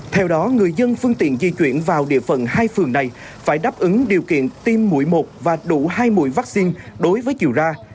theo đó người dân phương tiện di chuyển vào địa phận hai phường này phải đáp ứng điều kiện tiêm mũi một và đủ hai mũi vaccine đối với chiều ra